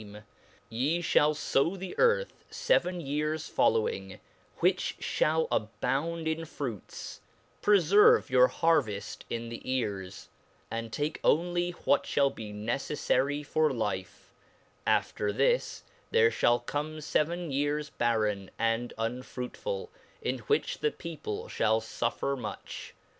9<^fip^ fiiid to him, yee fhall fow the earth feven years following, which fhall abound in fruits, preferve your Harveft in the cares, and take only what (hall be neceflfary for life; after this, there fhall come feven years bar ren, and unfruitfull, in which the people fhall fuffer much.